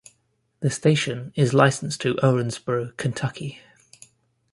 The station is licensed to Owensboro, Kentucky.